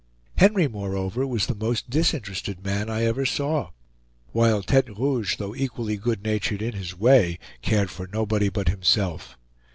Henry moreover was the most disinterested man I ever saw; while Tete Rouge, though equally good natured in his way, cared for nobody but himself.